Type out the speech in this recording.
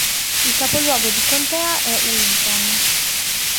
Il capoluogo di contea è Winton.